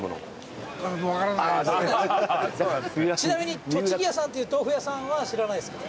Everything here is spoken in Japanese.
ちなみにとちぎやさんっていう豆腐屋さんは知らないですか？